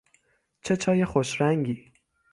چه چای خوش رنگی